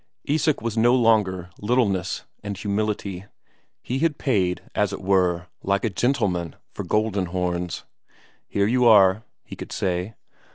Isak was no longer littleness and humility; he had paid, as it were, like a gentleman, for Goldenhorns. "Here you are," he could say.